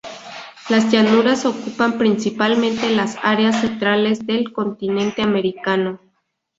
Las llanuras ocupan, principalmente, las áreas centrales del continente americano.